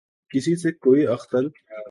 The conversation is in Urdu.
کسی سے کوئی اختل